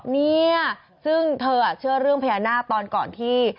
เนี่ยซึ่งเธอเชื่อเรื่องพญานาคตอนก่อนที่